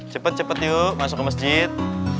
cepet cepet yuk masuk ke masjid